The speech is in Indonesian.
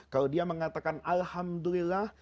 kalau dia mengatakan alhamdulillah